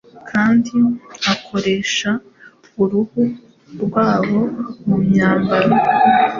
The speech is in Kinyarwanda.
kandi akoresha uruhu rwabo mu myambaro